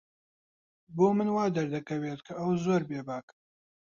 بۆ من وا دەردەکەوێت کە ئەو زۆر بێباکە.